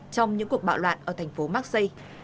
trong những cuộc bạo loạn ở thành phố marseille